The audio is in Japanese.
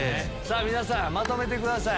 皆さんまとめてください。